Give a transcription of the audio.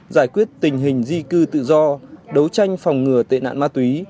giải quyết tình hình di cư tự do đấu tranh phòng ngừa tệ nạn ma túy